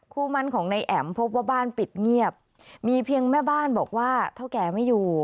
คู่มั่นของนายแอ๋มพบว่าบ้านปิดเงียบมีเพียงแม่บ้านบอกว่าเท่าแก่ไม่อยู่